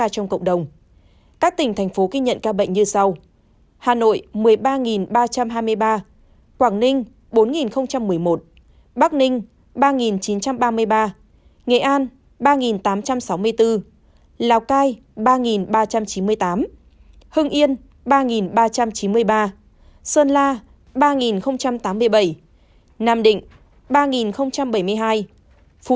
các tỉnh thành phố ghi nhận ca bệnh như sau